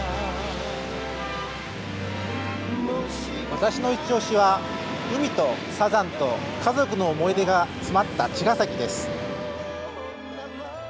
私のいちオシは海とサザンと家族の思い出が詰まった茅ヶ崎です。